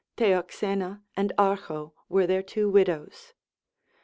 Theoxena and Archo were their two widows.